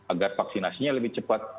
agar vaksinasinya lebih cepat